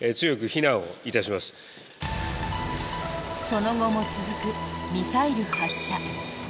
その後も続くミサイル発射。